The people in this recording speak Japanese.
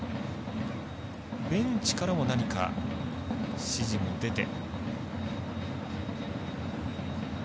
ベンチからも何か指示が出て。